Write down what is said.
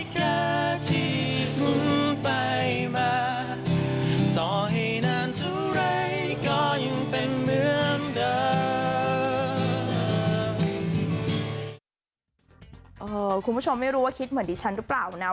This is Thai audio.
คุณผู้ชมไม่รู้ว่าคิดเหมือนดิฉันหรือเปล่านะ